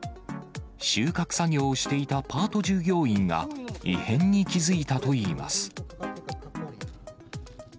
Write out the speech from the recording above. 収穫作業をしていたパート従業員が、異変に気付いたといいます。